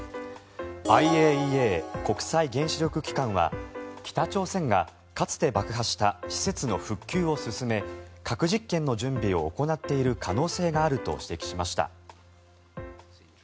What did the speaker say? ＩＡＥＡ・国際原子力機関は北朝鮮がかつて爆破した施設の復旧を進め核実験の準備を行っている可能性があると指摘しました。